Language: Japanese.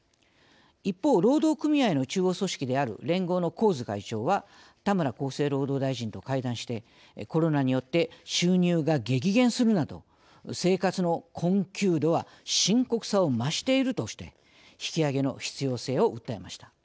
一方、労働組合の中央組織である連合の神津会長は田村厚生労働大臣と会談してコロナによって「収入が激減するなど生活の困窮度は深刻さを増している」として引き上げの必要性を訴えました。